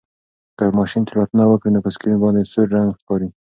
که ماشین تېروتنه وکړي نو په سکرین باندې سور رنګ ښکاري.